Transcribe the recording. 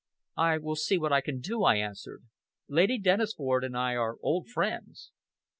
"I will see what I can do," I answered. "Lady Dennisford and I are old friends."